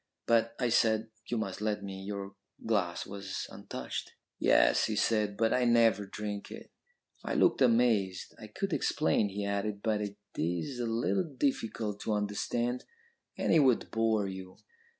"'But,' I said, 'you must let me. Your glass was untouched.' "'Yes,' he said, 'but I never drink it.' "I looked amazed. 'I could explain,' he added, 'but it is a little difficult to understand, and it would bore you.'